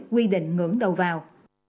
quy định ngưỡng đầu vào